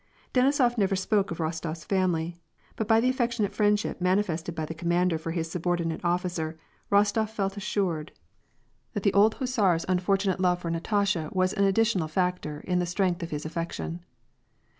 Denisof never spoke of Rostof's family, but by the affectionate friendship manifested by the commander for his subordinate officer, Rostof felt assured that the old hussar's unfortunate WAR AND P£ACE. 129 love for Natasha was an additional factor in the strength of his affection.